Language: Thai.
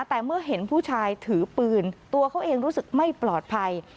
แต่เมื่อเห็นผู้ชายถือปืนตัวเขาเองรู้สึกไม่ปลอดภัย